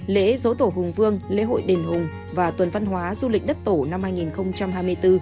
lễ dỗ tổ hùng vương lễ hội đền hùng và tuần văn hóa du lịch đất tổ năm hai nghìn hai mươi bốn